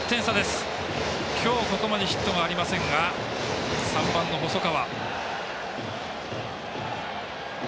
今日、ここまでヒットありませんが、３番細川。